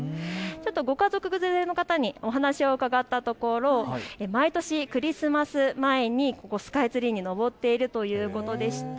ご家族連れの方にお話を伺ったところ、毎年クリスマス前にスカイツリーにのぼっているということでした。